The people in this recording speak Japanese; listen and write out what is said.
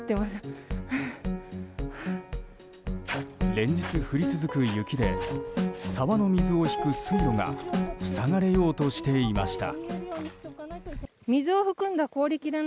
連日、降り続く雪で沢の水を引く水路が塞がれようとしていました。